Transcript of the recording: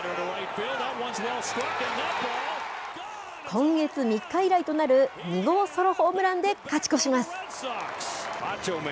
今月３日以来となる２号ソロホームランで勝ち越します。